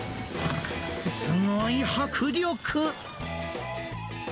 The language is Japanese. すごい迫力。